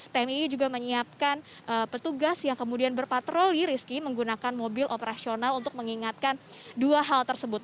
tmii juga menyiapkan petugas yang kemudian berpatroli rizky menggunakan mobil operasional untuk mengingatkan dua hal tersebut